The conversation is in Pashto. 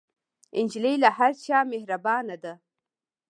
نجلۍ له هر چا مهربانه ده.